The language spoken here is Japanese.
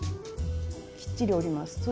きっちり折ります。